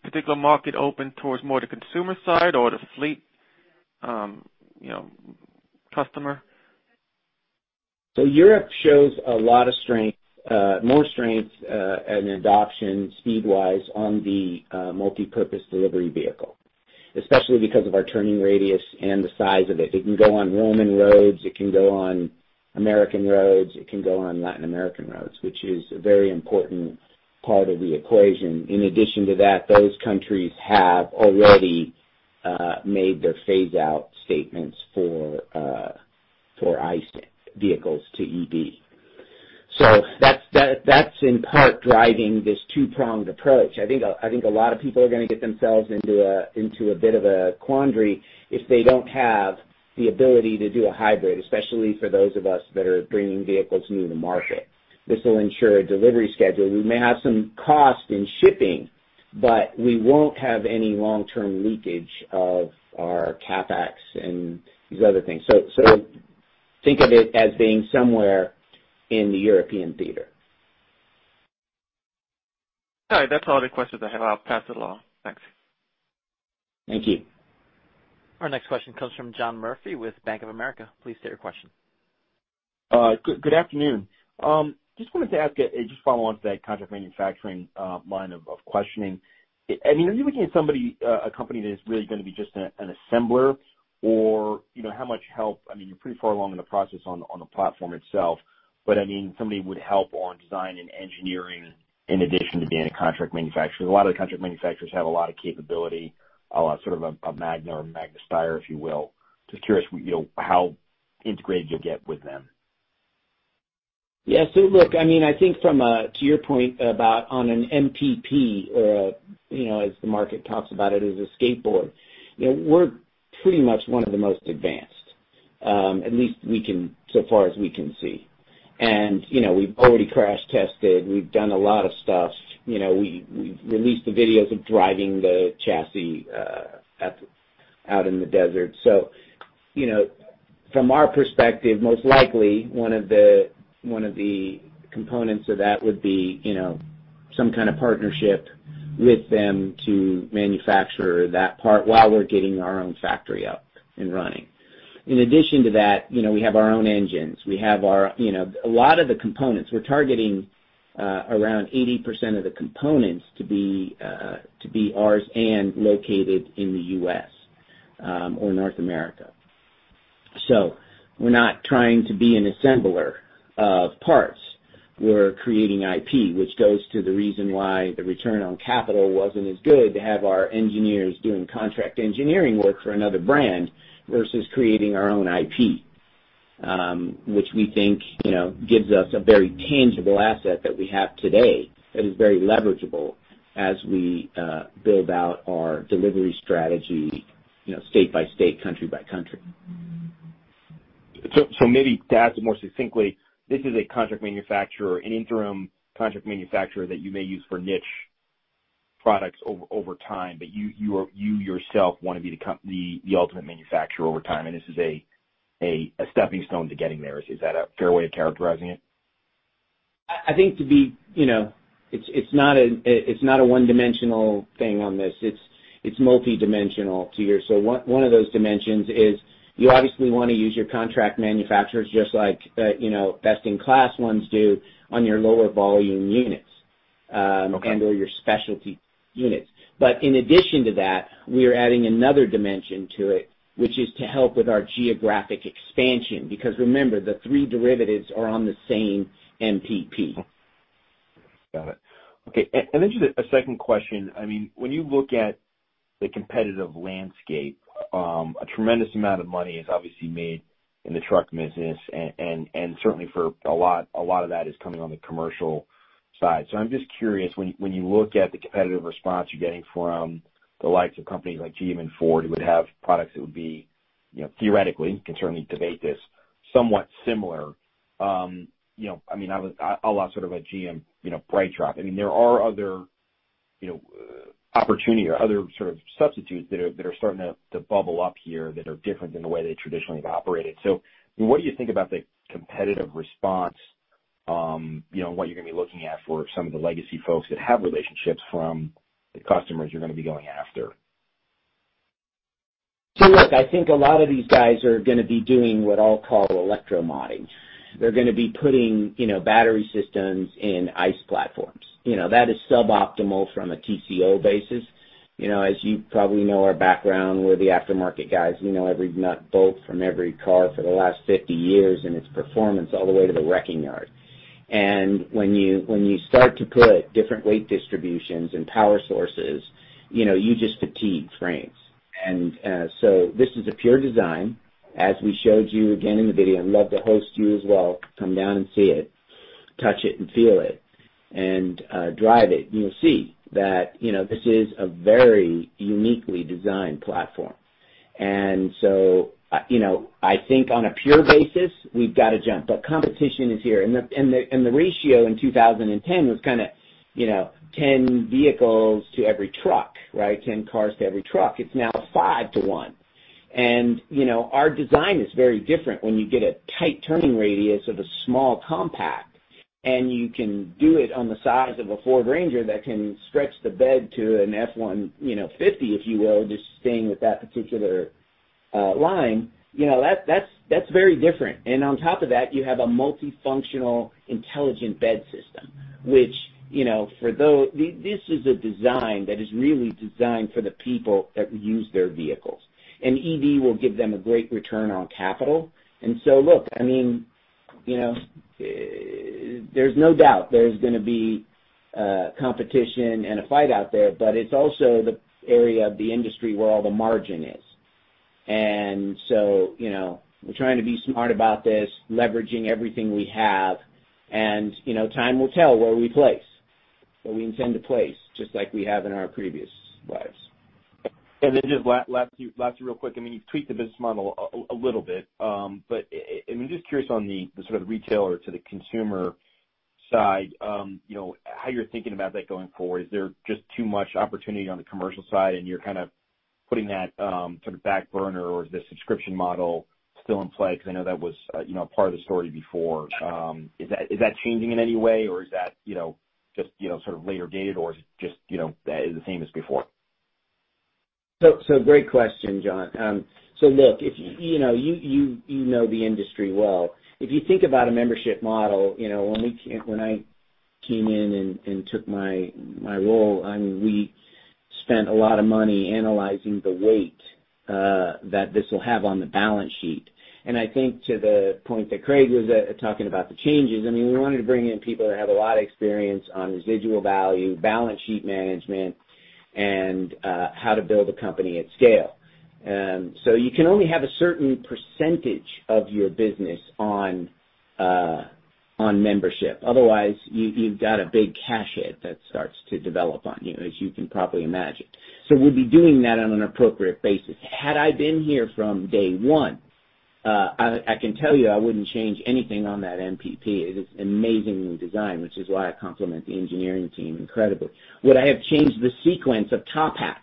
particular market open towards more the consumer side or the fleet, you know, customer? Europe shows a lot of strength, more strength, and adoption speed-wise on the Multi-Purpose Delivery Vehicle, especially because of our turning radius and the size of it. It can go on Roman roads, it can go on American roads, it can go on Latin American roads, which is a very important part of the equation. In addition to that, those countries have already made their phase-out statements for ICE vehicles to EV. That's in part driving this two-pronged approach. I think a lot of people are gonna get themselves into a bit of a quandary if they don't have the ability to do a hybrid, especially for those of us that are bringing vehicles new to market. This will ensure a delivery schedule. We may have some cost in shipping, but we won't have any long-term leakage of our CapEx and these other things. Think of it as being somewhere in the European theater. All right. That's all the questions I have. I'll pass it along. Thanks. Thank you. Our next question comes from John Murphy with Bank of America. Please state your question. Good afternoon. Just wanted to ask a, just follow on to that contract manufacturing line of questioning. I mean, are you looking at somebody, a company that is really gonna be just an assembler or, you know, how much help I mean, you're pretty far along in the process on the platform itself, but I mean, somebody would help on design and engineering in addition to being a contract manufacturer. A lot of the contract manufacturers have a lot of capability, a lot sort of a Magna or Magna Steyr, if you will. Just curious, you know, how integrated you'll get with them. Yeah. Look, I mean, I think from a to your point about on an MPP, you know, as the market talks about it as a skateboard, you know, we're pretty much one of the most advanced, at least we can so far as we can see. You know, we've already crash tested. We've done a lot of stuff. You know, we released the videos of driving the chassis, at, out in the desert. You know, from our perspective, most likely one of the, one of the components of that would be, you know, some kind of partnership with them to manufacture that part while we're getting our own factory up and running. In addition to that, you know, we have our own engines. You know, a lot of the components, we're targeting around 80% of the components to be ours and located in the U.S. or North America. We're not trying to be an assembler of parts. We're creating IP, which goes to the reason why the return on capital wasn't as good to have our engineers doing contract engineering work for another brand versus creating our own IP, which we think, you know, gives us a very tangible asset that we have today that is very leverageable as we build out our delivery strategy, you know, state by state, country by country. Maybe to ask it more succinctly, this is a contract manufacturer, an interim contract manufacturer that you may use for niche products over time, but you yourself want to be the ultimate manufacturer over time, and this is a stepping stone to getting there. Is that a fair way of characterizing it? You know, it's not a one-dimensional thing on this. It's multidimensional to your. One of those dimensions is you obviously wanna use your contract manufacturers just like, you know, best-in-class ones do on your lower volume units. Okay. -and/or your specialty units. In addition to that, we are adding another dimension to it, which is to help with our geographic expansion. Remember, the three derivatives are on the same MPP. Got it. Okay. Then just a second question. I mean, when you look at the competitive landscape, a tremendous amount of money is obviously made in the truck business and certainly for a lot of that is coming on the commercial side. I'm just curious, when you look at the competitive response you're getting from the likes of companies like GM and Ford, who would have products that would be, you know, theoretically, can certainly debate this, somewhat similar, you know, I mean, a la sort of a GM, you know, BrightDrop. I mean, there are other, you know, opportunity or other sort of substitutes that are starting to bubble up here that are different than the way they traditionally have operated. What do you think about the competitive response, you know, and what you're gonna be looking at for some of the legacy folks that have relationships from the customers you're gonna be going after? Look, I think a lot of these guys are going to be doing what I'll call electromodding. They're going to be putting, you know, battery systems in ICE platforms. You know, that is suboptimal from a TCO basis. You know, as you probably know our background, we're the aftermarket guys. We know every nut, bolt from every car for the last 50 years and its performance all the way to the wrecking yard. When you start to put different weight distributions and power sources, you know, you just fatigue frames. This is a pure design, as we showed you again in the video. I'd love to host you as well, come down and see it, touch it and feel it, and drive it, and you'll see that, you know, this is a very uniquely designed platform. I think on a pure basis, we've got a jump. Competition is here. The ratio in 2010 was kinda, you know, 10 vehicles to every truck, right? 10 cars to every truck. It's now five to one. Our design is very different when you get a tight turning radius of a small compact and you can do it on the size of a Ford Ranger that can stretch the bed to an F-150, if you will, just staying with that particular line. You know, that's very different. On top of that, you have a multifunctional intelligent bed system, which, you know, this is a design that is really designed for the people that use their vehicles. EV will give them a great return on capital. Look, I mean, you know, there's no doubt there's gonna be competition and a fight out there, but it's also the area of the industry where all the margin is. You know, we're trying to be smart about this, leveraging everything we have, and, you know, time will tell where we place, where we intend to place, just like we have in our previous lives. Just last few real quick. I mean, you've tweaked the business model a little bit. I'm just curious on the sort of retailer to the consumer side, you know, how you're thinking about that going forward. Is there just too much opportunity on the commercial side and you're kind of putting that sort of back burner or is the subscription model still in play? 'Cause I know that was, you know, part of the story before. Is that changing in any way or is that, you know, just, you know, sort of layer gated or is it just, you know, the same as before? Great question, John. Look, if you know, you know the industry well. If you think about a membership model, you know, when I came in and took my role, I mean, we spent a lot of money analyzing the weight that this will have on the balance sheet. I think to the point that Craig was talking about the changes, I mean, we wanted to bring in people that have a lot of experience on residual value, balance sheet management, and how to build a company at scale. You can only have a certain percentage of your business on membership. Otherwise, you've got a big cash hit that starts to develop on you, as you can probably imagine. We'll be doing that on an appropriate basis. Had I been here from day one, I can tell you I wouldn't change anything on that MPP. It is amazingly designed, which is why I compliment the engineering team incredibly. Would I have changed the sequence of top hats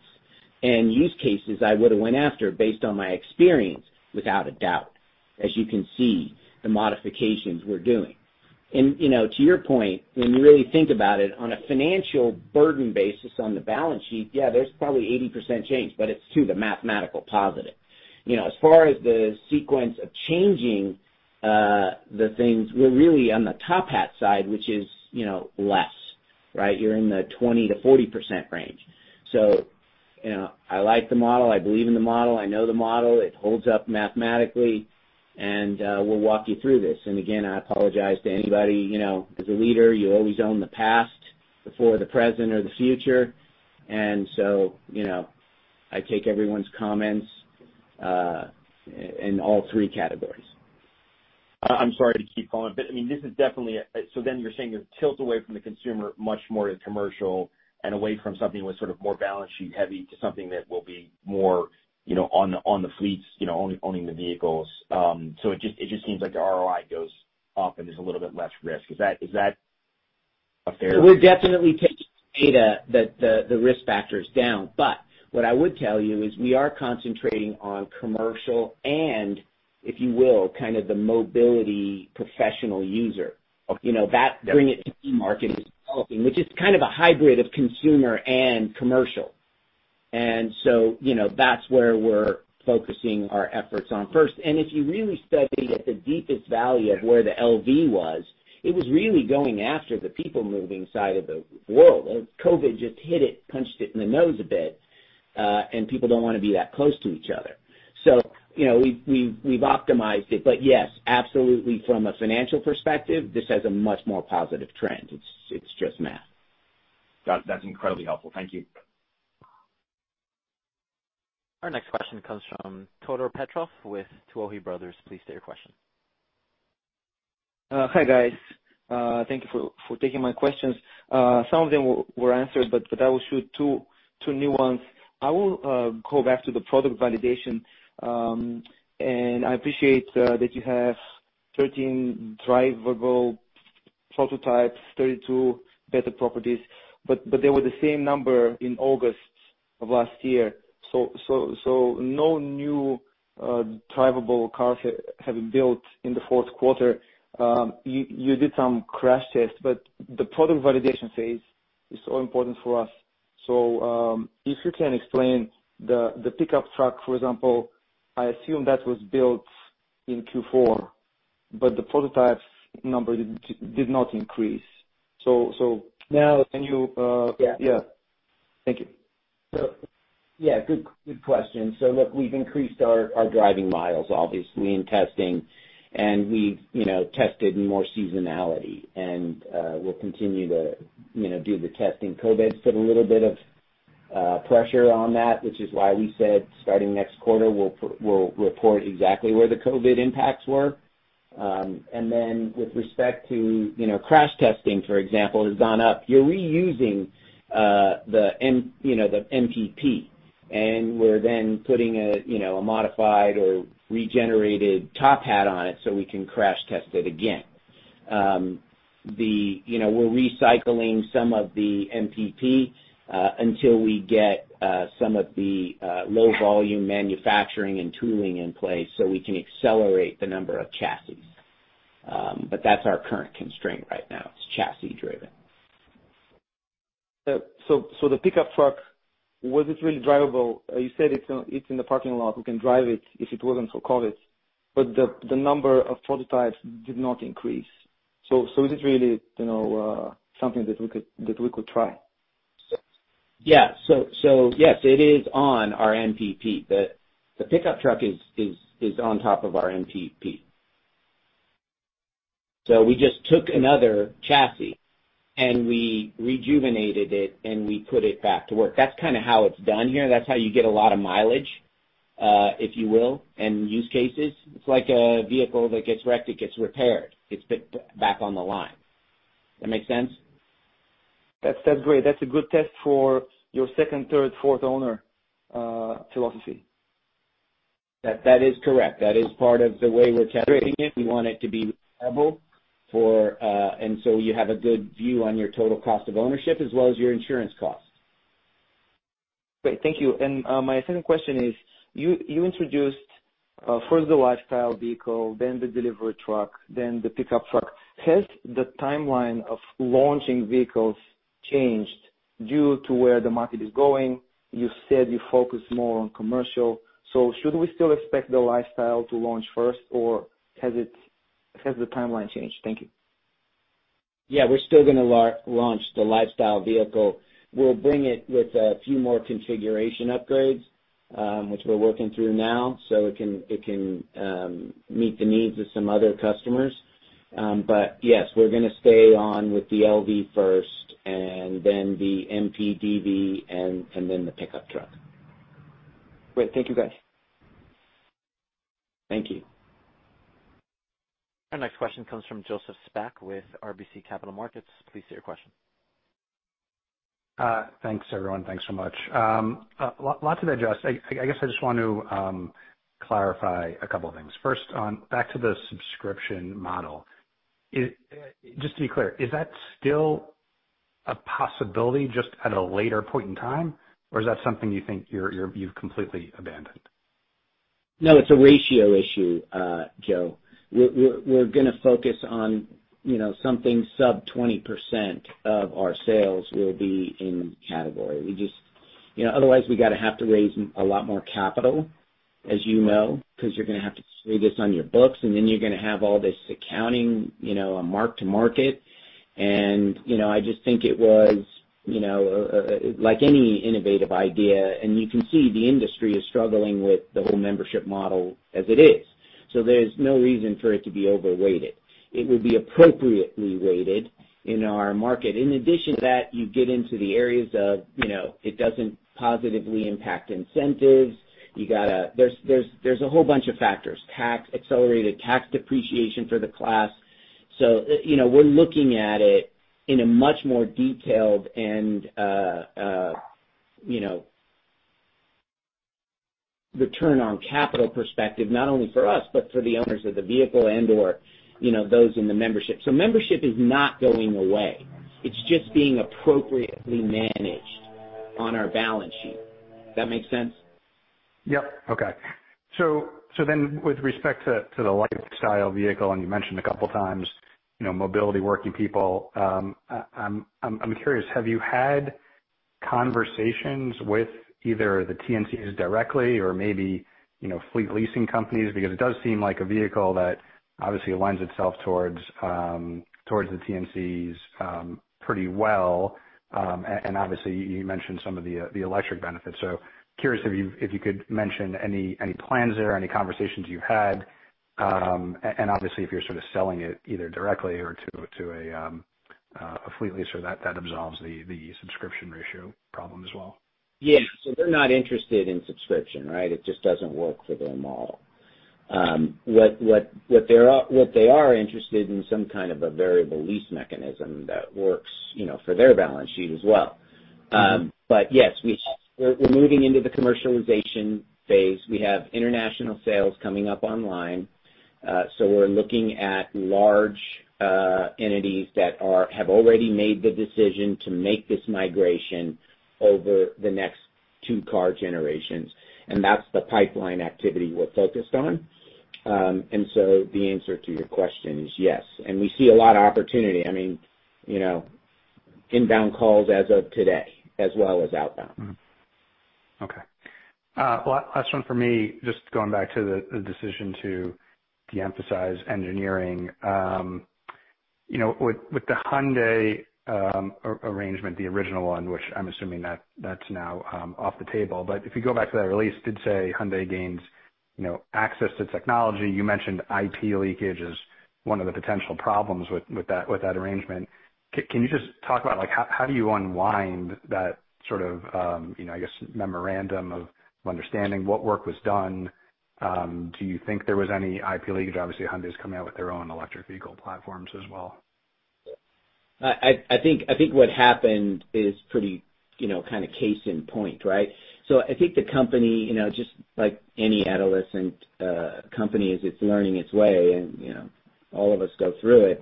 and use cases I would've went after based on my experience? Without a doubt. As you can see the modifications we're doing. You know, to your point, when you really think about it, on a financial burden basis on the balance sheet, yeah, there's probably 80% change, but it's to the mathematical positive. You know, as far as the sequence of changing the things, we're really on the top hat side, which is, you know, less, right? You're in the 20%-40% range. You know, I like the model, I believe in the model, I know the model, it holds up mathematically, and we'll walk you through this. Again, I apologize to anybody. You know, as a leader, you always own the past before the present or the future. You know, I take everyone's comments, in all three categories. I'm sorry to keep going, but I mean, this is definitely a You're saying the tilt away from the consumer much more to commercial and away from something that was sort of more balance sheet heavy to something that will be more, you know, on the, on the fleets, you know, owning the vehicles. It just seems like the ROI goes up and there's a little bit less risk. Is that a fair- We're definitely taking data that the risk factor is down. What I would tell you is we are concentrating on commercial and, if you will, kind of the mobility professional user. Okay. You know, that bring it to market is developing, which is kind of a hybrid of consumer and commercial. You know, that's where we're focusing our efforts on first. If you really study at the deepest value of where the LV was, it was really going after the people moving side of the world. COVID just hit it, punched it in the nose a bit. People don't wanna be that close to each other. You know, we've optimized it. Yes, absolutely from a financial perspective, this has a much more positive trend. It's just math. Got it. That's incredibly helpful. Thank you. Our next question comes from Todor Petrov with Tuohy Brothers. Please state your question. Hi, guys. Thank you for taking my questions. Some of them were answered, I will shoot two new ones. I will go back to the product validation. I appreciate that you have 13 drivable prototypes, 32 beta properties, there were the same number in August of last year. No new drivable cars having built in Q4. You did some crash tests, the product validation phase is so important for us. If you can explain the pickup truck, for example, I assume that was built in Q4, the prototypes number did not increase. Now- Can you? Yeah. Yeah. Thank you. Yeah, good question. Look, we've increased our driving miles, obviously, in testing, and we've, you know, tested more seasonality. We'll continue to, you know, do the testing. COVID put a little bit of pressure on that, which is why we said starting next quarter, we'll report exactly where the COVID impacts were. And then with respect to, you know, crash testing, for example, has gone up. You're reusing the MPP. We're then putting a, you know, a modified or regenerated top hat on it so we can crash test it again. The You know, we're recycling some of the MPP until we get some of the low volume manufacturing and tooling in place so we can accelerate the number of chassis. But that's our current constraint right now. It's chassis driven. The pickup truck, was it really drivable? You said it's in the parking lot, we can drive it if it wasn't for COVID, but the number of prototypes did not increase. Is it really, you know, something that we could try? Yes, it is on our MPP. The pickup truck is on top of our MPP. We just took another chassis, and we rejuvenated it, and we put it back to work. That's kind of how it's done here. That's how you get a lot of mileage, if you will, and use cases. It's like a vehicle that gets wrecked, it gets repaired, gets put back on the line. That make sense? That's great. That's a good test for your second, third, fourth owner philosophy. That is correct. That is part of the way we're calculating it. We want it to be level four. So you have a good view on your total cost of ownership as well as your insurance costs. Great. Thank you. My second question is, you introduced first the Lifestyle Vehicle, then the delivery truck, then the pickup truck. Has the timeline of launching vehicles changed due to where the market is going? You said you focus more on commercial, so should we still expect the Lifestyle to launch first, or has the timeline changed? Thank you. Yeah, we're still gonna launch the Lifestyle Vehicle. We'll bring it with a few more configuration upgrades, which we're working through now, so it can meet the needs of some other customers. Yes, we're gonna stay on with the LV first, and then the MPDV and then the pickup truck. Great. Thank you, guys. Thank you. Our next question comes from Joseph Spak with RBC Capital Markets. Please state your question. Thanks everyone. Thanks so much. Lot to digest. I guess I just want to clarify a couple of things. First on, back to the subscription model. Just to be clear, is that still a possibility just at a later point in time, or is that something you think you're, you've completely abandoned? No, it's a ratio issue, Joe. We're gonna focus on, you know, something sub 20% of our sales will be in category. Otherwise we gotta have to raise a lot more capital, as you know, 'cause you're gonna have to carry this on your books, and then you're gonna have all this accounting, you know, a mark to market. You know, I just think it was, you know, like any innovative idea, and you can see the industry is struggling with the whole membership model as it is. There's no reason for it to be overweighted. It would be appropriately weighted in our market. In addition to that, you get into the areas of, you know, it doesn't positively impact incentives. There's a whole bunch of factors. Tax, accelerated tax depreciation for the class. You know, we're looking at it in a much more detailed and, you know, return on capital perspective, not only for us, but for the owners of the vehicle and/or, you know, those in the membership. Membership is not going away. It's just being appropriately managed on our balance sheet. That make sense? Yep. Okay. With respect to the Lifestyle Vehicle, and you mentioned a couple times, you know, mobility working people, I'm curious, have you had conversations with either the TNCs directly or maybe, you know, fleet leasing companies? Because it does seem like a vehicle that obviously aligns itself towards the TNCs, pretty well. Obviously you mentioned some of the electric benefits. Curious if you could mention any plans there, any conversations you've had. Obviously if you're sort of selling it either directly or to a fleet leaser that absolves the subscription ratio problem as well. Yeah. They're not interested in subscription, right? It just doesn't work for their model. What they are interested in is some kind of a variable lease mechanism that works, you know, for their balance sheet as well. Yes, we're moving into the commercialization phase. We have international sales coming up online. We're looking at large entities that are, have already made the decision to make this migration over the next two car generations, and that's the pipeline activity we're focused on. The answer to your question is yes. We see a lot of opportunity. I mean, you know, inbound calls as of today, as well as outbound. Okay. Last one for me, just going back to the decision to de-emphasize engineering. You know, with the Hyundai arrangement, the original one, which I'm assuming that's now off the table. If you go back to that release, did say Hyundai gains, you know, access to technology. You mentioned IP leakage as one of the potential problems with that arrangement. Can you just talk about like how do you unwind that sort of, you know, I guess memorandum of understanding, what work was done? Do you think there was any IP leakage? Obviously Hyundai's coming out with their own electric vehicle platforms as well. I think what happened is pretty, you know, kinda case in point, right? I think the company, you know, just like any adolescent, company as it's learning its way and, you know, all of us go through it.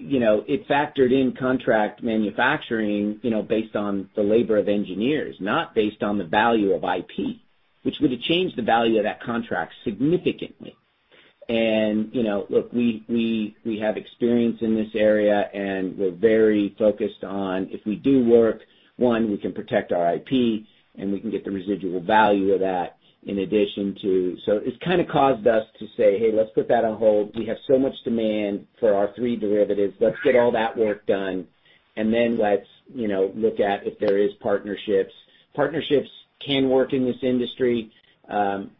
you know, it factored in contract manufacturing, you know, based on the labor of engineers, not based on the value of IP, which would have changed the value of that contract significantly. you know, look, we have experience in this area, and we're very focused on if we do work, one, we can protect our IP and we can get the residual value of that in addition to. It's kinda caused us to say, "Hey, let's put that on hold. We have so much demand for our three derivatives. Let's get all that work done, and then let's, you know, look at if there is partnerships." Partnerships can work in this industry,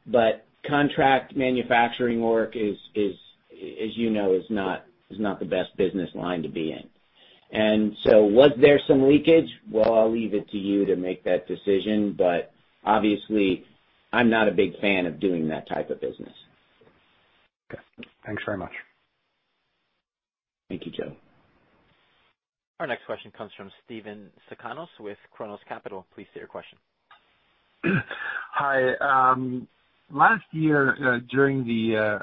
but contract manufacturing work is, as you know, is not the best business line to be in. Was there some leakage? Well, I'll leave it to you to make that decision. Obviously, I'm not a big fan of doing that type of business. Okay. Thanks very much. Thank you, Joe. Our next question comes from Steven Sakanas with Kronos Capital. Please state your question. Hi. Last year, during the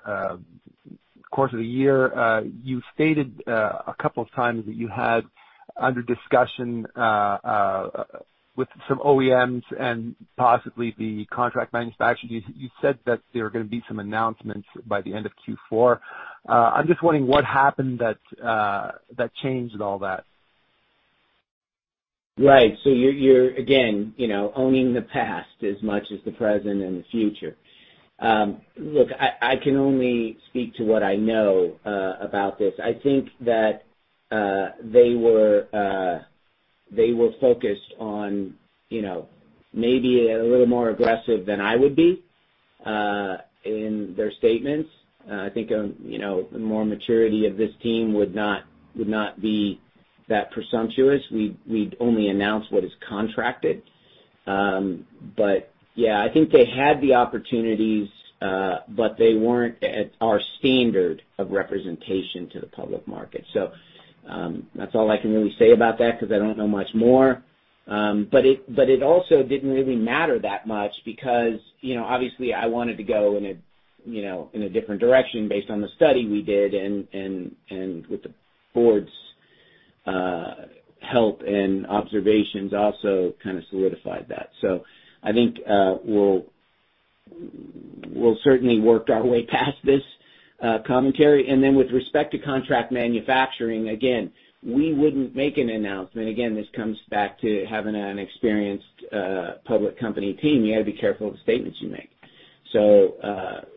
course of the year, you stated a couple of times that you had under discussion with some OEMs and possibly the contract manufacturer, you said that there were going to be some announcements by the end of Q4. I'm just wondering what happened that changed all that. Right. You're again, you know, owning the past as much as the present and the future. Look, I can only speak to what I know about this. I think that they were focused on, you know, maybe a little more aggressive than I would be in their statements. I think, you know, the more maturity of this team would not be that presumptuous. We'd only announce what is contracted. Yeah, I think they had the opportunities, but they weren't at our standard of representation to the public market. That's all I can really say about that 'cause I don't know much more. It also didn't really matter that much because, you know, obviously I wanted to go in a, you know, in a different direction based on the study we did and with the board's help and observations also kind of solidified that. I think, we'll certainly work our way past this commentary. With respect to contract manufacturing, we wouldn't make an announcement. This comes back to having an experienced public company team. You gotta be careful of the statements you make.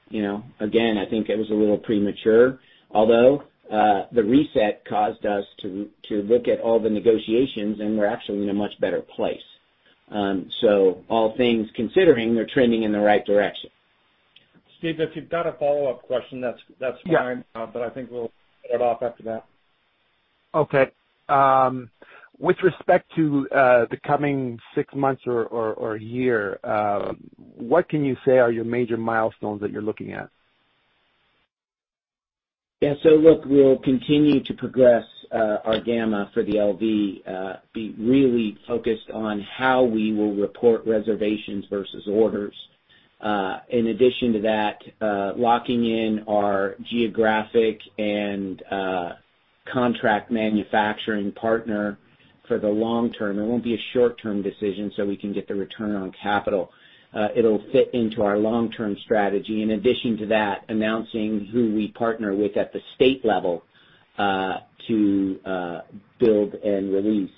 You know, I think it was a little premature, although the reset caused us to look at all the negotiations, and we're actually in a much better place. All things considering, they're trending in the right direction. Steven, if you've got a follow-up question, that's fine. Yeah. I think we'll cut it off after that. Okay. With respect to the coming six months or year, what can you say are your major milestones that you're looking at? Yeah. Look, we'll continue to progress our gamma for the LV, be really focused on how we will report reservations versus orders. In addition to that, locking in our geographic and contract manufacturing partner for the long term. It won't be a short-term decision so we can get the return on capital. It'll fit into our long-term strategy. In addition to that, announcing who we partner with at the state level to build and release.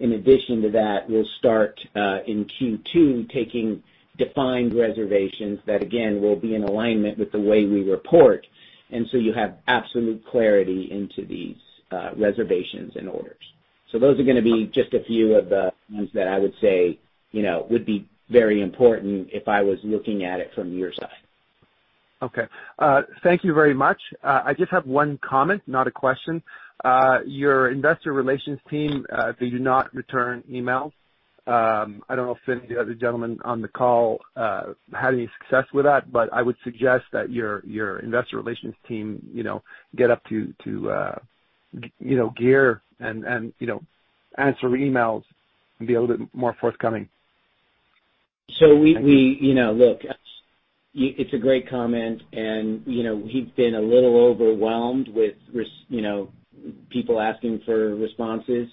In addition to that, we'll start in Q2 taking defined reservations that again will be in alignment with the way we report, so you have absolute clarity into these reservations and orders. Those are gonna be just a few of the ones that I would say, you know, would be very important if I was looking at it from your side. Okay. Thank you very much. I just have one comment, not a question. Your investor relations team, they do not return emails. I don't know if any of the other gentlemen on the call had any success with that, but I would suggest that your investor relations team, you know, get up to you know, gear and, you know, answer emails and be a little bit more forthcoming. Thank you. We, you know, look, it's a great comment and, you know, we've been a little overwhelmed with, you know, people asking for responses,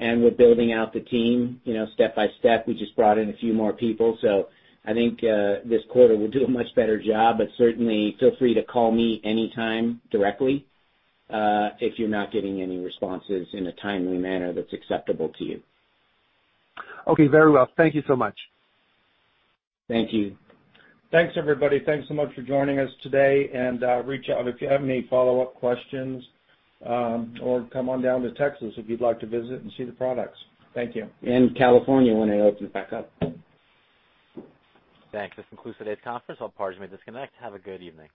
and we're building out the team, you know, step by step. We just brought in a few more people, so I think this quarter we'll do a much better job. Certainly feel free to call me anytime directly, if you're not getting any responses in a timely manner that's acceptable to you. Okay. Very well. Thank you so much. Thank you. Thanks, everybody. Thanks so much for joining us today and reach out if you have any follow-up questions or come on down to Texas if you'd like to visit and see the products. Thank you. California when they open back up. Thanks. This concludes today's conference. All parties may disconnect. Have a good evening.